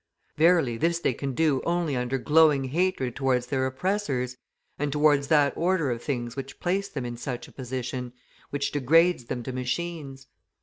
Verily, this they can do only under glowing hatred towards their oppressors, and towards that order of things which place them in such a position, which degrades them to machines.